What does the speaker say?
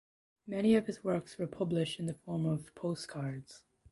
Many of his works were published in the form of postcards.